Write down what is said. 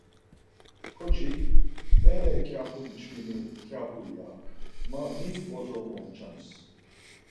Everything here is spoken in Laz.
Ǩoçik, E mǩyapu çkimi mǩyapu, ya, ma mik bozo momçams.